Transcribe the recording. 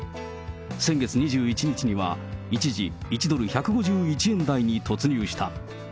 先月２１日には、一時１ドル１５１円台に突入した。